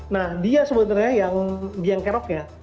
nah dia sebenarnya yang diangkeroknya